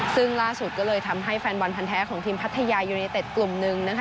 ซึ่งล่าสุดก็เลยทำให้แฟนบอลพันธ์แท้ของทีมพัทยายูเนเต็ดกลุ่มหนึ่งนะคะ